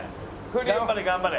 頑張れ頑張れ。